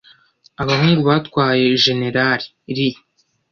abahungu batwaye Jenerali Lee